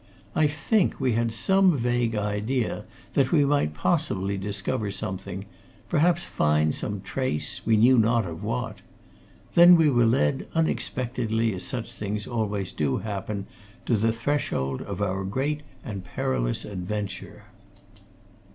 I think we had some vague idea that we might possibly discover something perhaps find some trace, we knew not of what. Then we were led, unexpectedly, as such things always do happen, to the threshold of our great and perilous adventure.